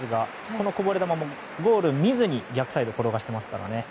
このこぼれ球もゴールを見ずに逆サイドに転がしていますからね。